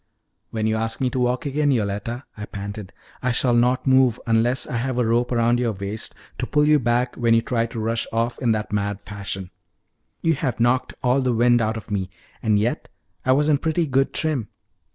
"When you ask me to walk again, Yoletta," I panted, "I shall not move unless I have a rope round your waist to pull you back when you try to rush off in that mad fashion. You have knocked all the wind out of me; and yet I was in pretty good trim."